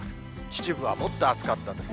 秩父はもっと暑かったです。